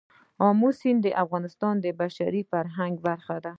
آمو سیند د افغانستان د بشري فرهنګ برخه ده.